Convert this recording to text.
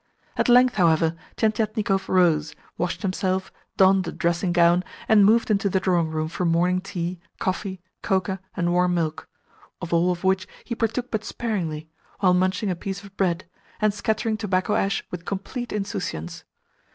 At length, however, Tientietnikov rose, washed himself, donned a dressing gown, and moved into the drawing room for morning tea, coffee, cocoa, and warm milk; of all of which he partook but sparingly, while munching a piece of bread, and scattering tobacco ash with complete insouciance.